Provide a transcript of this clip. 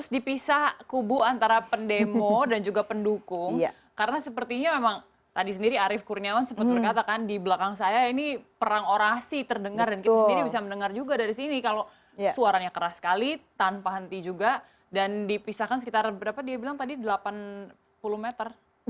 dan kita sendiri bisa mendengar juga dari sini kalau suaranya keras sekali tanpa henti juga dan dipisahkan sekitar berapa dia bilang tadi delapan puluh meter